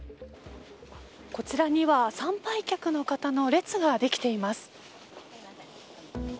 こちらには、参拝客の方の列ができています。